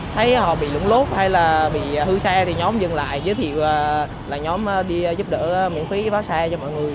thấy họ bị lũng lốt hay là bị hư xe thì nhóm dừng lại giới thiệu là nhóm đi giúp đỡ miễn phí phá xe cho mọi người